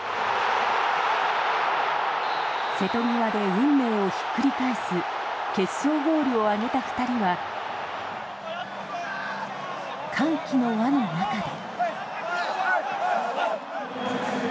瀬戸際で運命をひっくり返す決勝ゴールを挙げた２人は歓喜の輪の中で。